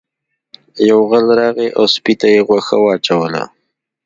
یو غل راغی او سپي ته یې غوښه واچوله.